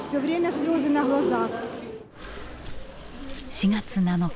４月７日